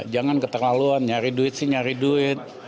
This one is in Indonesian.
jangan keterlaluan nyari duit sih nyari duit